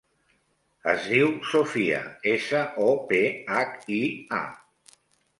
Es diu Sophia: essa, o, pe, hac, i, a.